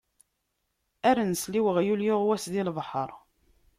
Ar nsel i uɣyul yuɣwas di lebḥeṛ.